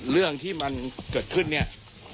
เรื่องที่มันเกิดขึ้นเนี่ย